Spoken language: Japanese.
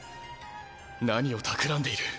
何をたくらんでいる？